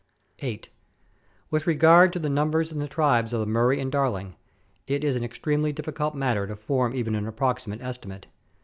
8. With regard to the numbers in the tribes of the Murray and Darling, it is an extremely difficult matter to form even an ap proximate estimate.